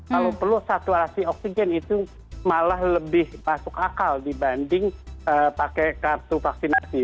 kalau perlu saturasi oksigen itu malah lebih masuk akal dibanding pakai kartu vaksinasi